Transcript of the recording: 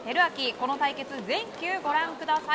この対決全球ご覧ください。